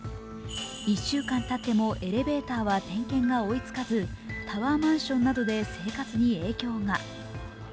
１週間たってもエレベーターは点検が追いつかずタワーマンションなどで生活に影響が。